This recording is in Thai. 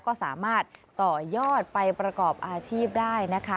ก็สามารถต่อยอดไปประกอบอาชีพได้นะคะ